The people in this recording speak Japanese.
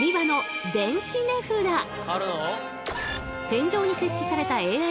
天井に設置された勝手に？